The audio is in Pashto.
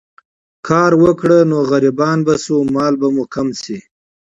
کار وکړو نو غريبان به شو، مال به مو کم شي